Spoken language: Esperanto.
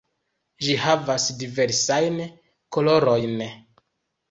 Ĝi havas diversajn kolorojn.